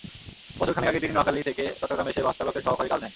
বছর খানেক আগে তিনি নোয়াখালী থেকে চট্টগ্রামে এসে বাসচালকের সহকারীর কাজ নেন।